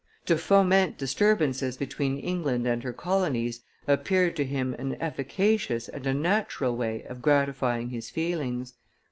To foment disturbances between England and her colonies appeared to him an efficacious and a natural way of gratifying his feelings.